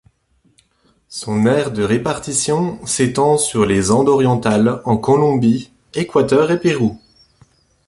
Son aire de répartition s'étend sur les Andes orientales, en Colombie, Équateur et Pérou.